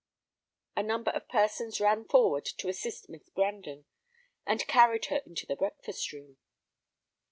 A number of persons ran forward to assist Miss Brandon, and carried her into the breakfast room.